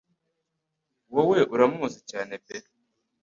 Wowe uramuzi cyane pe